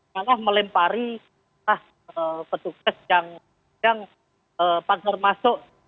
malah melempari petugas yang pagar masuk